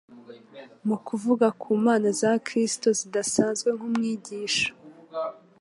Mu kuvuga ku mpano za Kristo zidasanzwe nk’umwigisha,